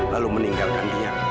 lalu meninggalkan dia